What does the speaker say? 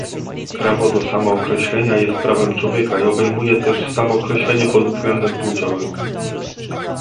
Prawo do samookreślenia jest prawem człowieka i obejmuje też samookreślenie pod względem płciowym